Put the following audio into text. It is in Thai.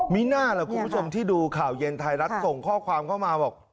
มีน่าล่ะคุณผู้ชมที่ดูข่าวเย็นไทยรัฐส่งข้อความเข้ามาบอก